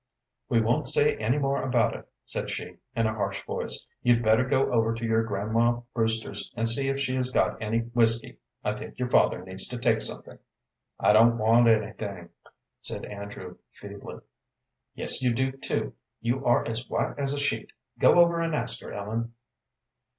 "We won't say any more about it," said she, in a harsh voice. "You'd better go over to your grandma Brewster's and see if she has got any whiskey. I think your father needs to take something." "I don't want anything," said Andrew, feebly. "Yes, you do, too, you are as white as a sheet. Go over and ask her, Ellen."